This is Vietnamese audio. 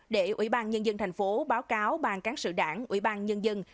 để ủy ban nhân dân tp hcm báo cáo bang cán sự đảng ủy ban nhân dân